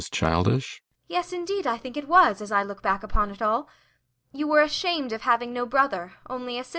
ASTA. Yes, indeed, I think it was, as I look back upon it all. You were ashamed of having no brother only a sister. ALLMERS.